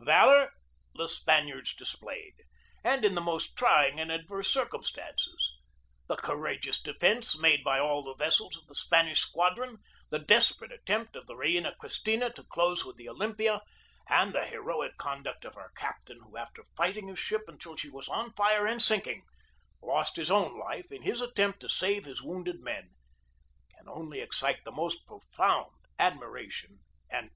Valor the Spaniards displayed, and in the most trying and adverse cir cumstances. The courageous defence made by all the vessels of the Spanish squadron, the desperate at tempt of the Reina Cristina to close with the Olym pia, and the heroic conduct of her captain, who, after fighting his ship until she was on fire and sinking, lost his own life in his attempt to save his wounded men, can only excite the most profound admiration and pity.